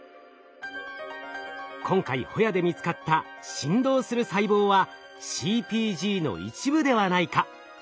今回ホヤで見つかった振動する細胞はＣＰＧの一部ではないか？